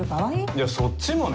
いやそっちもね。